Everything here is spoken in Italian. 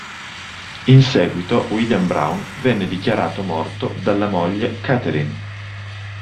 In seguito, William Browne venne dichiarato morto dalla moglie Catherine.